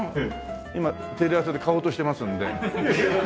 今テレ朝で買おうとしてますんで。